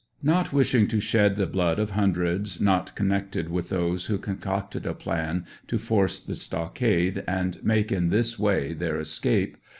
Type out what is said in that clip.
Not wishing to shed the blood of hundreds not connected with those who concocted a plan to force the stockade, and make in this way their escape.